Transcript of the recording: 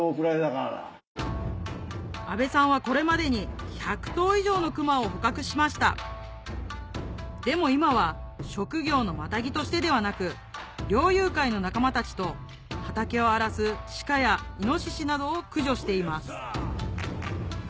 阿部さんはこれまでに１００頭以上の熊を捕獲しましたでも今は職業のまたぎとしてではなく猟友会の仲間たちと畑を荒らす鹿やイノシシなどを駆除しています